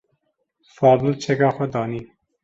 Fadil çeka xwe danî.